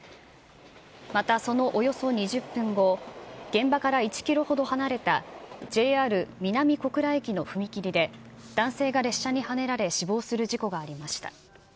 またそのおよそ２０分後、現場から１キロほど離れたＪＲ南小倉駅の踏切で男性が列車にはねられ死亡する事故がありました。